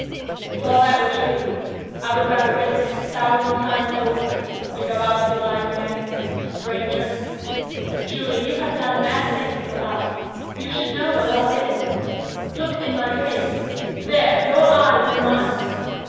"If all that were true, I would rather risk it a thousand times over than go out of your life again a stranger. Julie, you have done mad things for love you should know what love is. Look in my face there your eyes in mine!